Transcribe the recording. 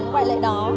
quại lệ đó